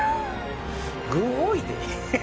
具多いで。